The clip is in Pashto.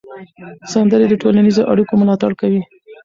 سندرې د ټولنیزو اړیکو ملاتړ کوي.